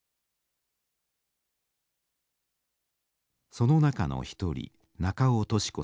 その中の一人中尾聰子さん。